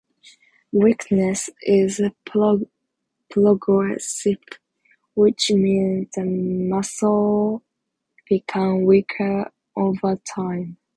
Weakness is progressive, which means the muscle become weaker over time.